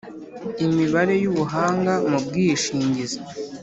imibare y ubuhanga mu bwishingizi